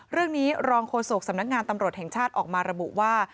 เรื่องนี้รองโฆษกสำนักงานตำรวจแห่งชาติออกมาระบุว่า